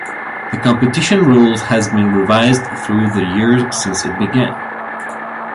The competition rules has been revised through the years since it began.